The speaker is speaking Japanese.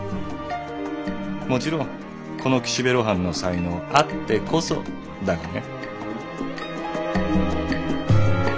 もちろんこの岸辺露伴の才能あってこそだがね。